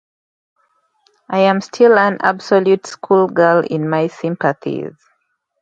I am still an absolute schoolgirl in my sympathies.